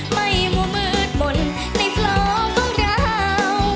มั่วมืดมนต์ในพลองของเรา